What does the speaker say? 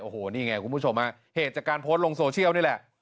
โอ้โหนี่ไงคุณผู้ชมฮะเหตุจากการโพสต์ลงโซเชียลนี่แหละ